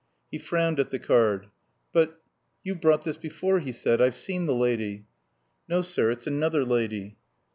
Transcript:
He frowned at the card. "But You've brought this before," he said. "I've seen the lady." "No, sir. It's another lady."